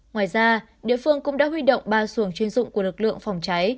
ngoài ra địa phương cũng đã huy động ba xuồng chuyên dụng của lực lượng phòng cháy